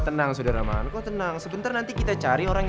jangan langsung hajar dong